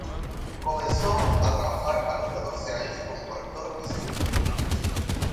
Comenzó a trabajar a los catorce años como corrector de seguros.